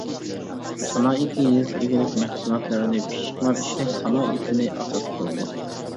سانائىتى يېزا ئىگىلىك مەھسۇلاتلىرىنى پىششىقلاپ ئىشلەش سانائىتىنى ئاساس قىلىدۇ.